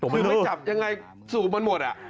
ไม่จับยังไงสูงหมด